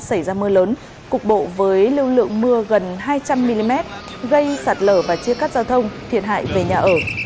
xảy ra mưa lớn cục bộ với lưu lượng mưa gần hai trăm linh mm gây sạt lở và chia cắt giao thông thiệt hại về nhà ở